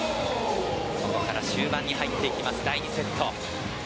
ここから終盤に入っていく第２セット。